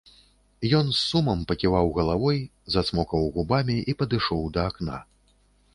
Ён з сумам паківаў галавой, зацмокаў губамі і падышоў да акна.